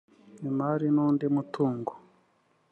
imari n undi mutungo